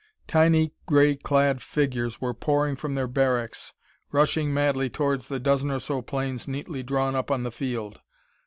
Tiny, gray clad figures were pouring from their barracks, rushing madly towards the dozen or so planes neatly drawn up on the field.